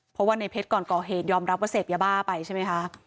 เพราะว่าในเพชรก่อนก่อเหตุยอมรับว่าเสพยาบ้าไปใช่ไหมคะ